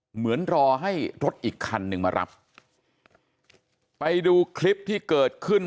เหมือนรอให้รถอีกคันหนึ่งมารับไปดูคลิปที่เกิดขึ้น